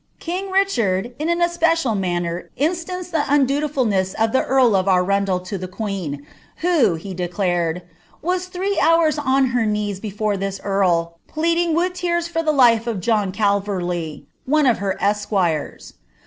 King Richard in an especial manner instanced the undutifaioMi of Ik* earl of Arundel to the queen.' who, he declared, ^ was thres booB * ner knees before this earl, pleading with tesni for the life of JobaO^ Terley, one of het esquires."